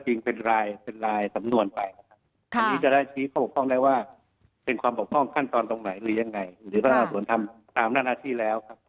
หรือแพทยาส่วนทั้ง๓นาทีแล้ว